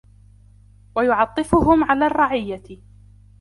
وَيُعَطِّفُهُمْ عَلَى الرَّعِيَّةِ